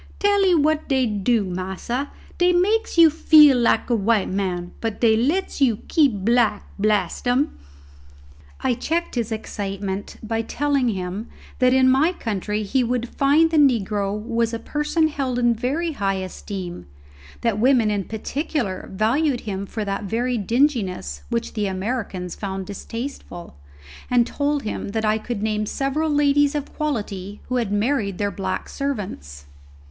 Tell'ee what dey dew, massa, dey makes you feel like a white man, but dey lets you keep black, blast 'em!" I checked his excitement by telling him that in my country he would find that the negro was a person held in very high esteem, that the women in particular valued him for that very dinginess which the Americans found distasteful, and told him that I could name several ladies of quality who had married their black servants.